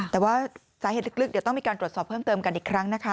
แต่ว่าสาเหตุลึกเดี๋ยวต้องมีการตรวจสอบเพิ่มเติมกันอีกครั้งนะคะ